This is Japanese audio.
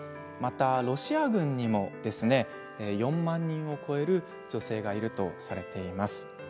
またロシア軍にも４万人を超える女性がいるとされています。